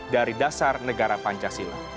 dari dasar negara pancasila